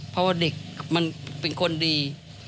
เพราะว่าเด็กมันเป็นคนดี